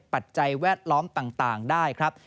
ปัจจัยแวดล้อมต่างได้ครับ